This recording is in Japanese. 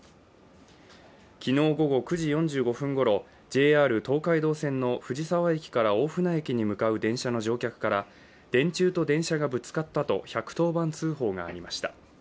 昨日午後９時４５分ごろＪＲ東海道線の藤沢駅から大船駅に向かう電車の乗客から電柱と電車がぶつかったと１１０番通報がありました。